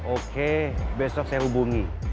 oke besok saya hubungi